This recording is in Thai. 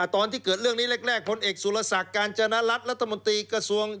ตอนที่เกิดเรื่องนี้แรกพลเอกสุรศักดิ์การจนรัฐรัฐมนตรีกระทรวง